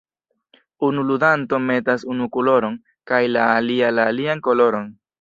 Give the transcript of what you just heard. Unu ludanto metas unu koloron kaj la alia la alian koloron.